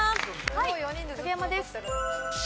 はい影山です。